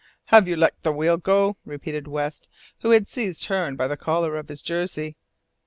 "Have you let the wheel go?" repeated West, who had seized Hearne by the collar of his jersey.